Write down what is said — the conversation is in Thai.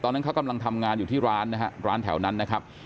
ตอนนั้นเขากำลังทำงานอยู่ที่ร้านนะฮะร้านแถวนั้นนะครับ